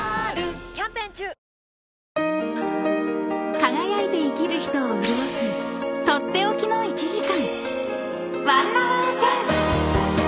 ［輝いて生きる人を潤す取って置きの１時間］